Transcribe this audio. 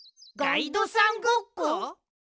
ガイドさんごっこ？